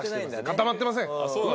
固まってません。